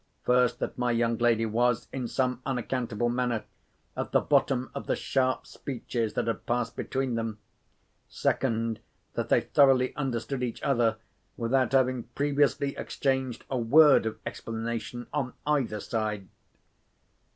First, that my young lady was, in some unaccountable manner, at the bottom of the sharp speeches that had passed between them. Second, that they thoroughly understood each other, without having previously exchanged a word of explanation on either side.